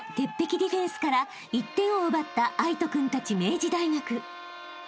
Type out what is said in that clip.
ディフェンスから１点を奪った藍仁君たち明治大学］